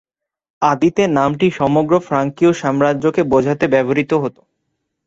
আদিতে নামটি সমগ্র ফ্রাঙ্কীয় সাম্রাজ্যকে বোঝাতে ব্যবহৃত হত।